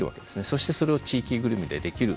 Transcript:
そしてそれを地域ぐるみでできる。